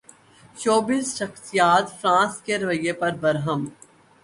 showbiz شخصیات France کے رویے پر برہم